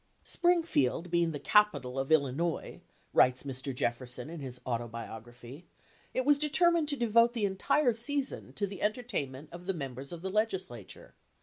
Springfield being the capital of Illinois [writes Mr. Jeffer son in his Autobiography], it was determined to devote the entire season to the entertainment of the members of the legislature.